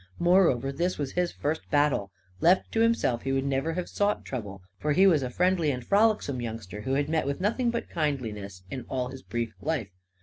Moreover, this was his first battle. Left to himself, he would never have sought trouble; for he was a friendly and frolicsome youngster who had met with nothing but kindliness in all his brief life.